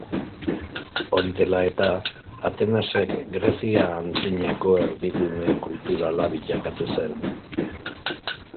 Hori dela eta, Atenasek Grezia Antzinako erdigune kulturala bilakatu zen.